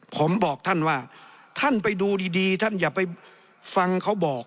ผมบอกท่านว่าท่านไปดูดีท่านอย่าไปฟังเขาบอก